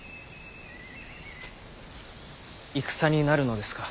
戦になるのですか。